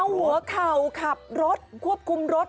เอาหัวเข่าขับรถควบคุมรถ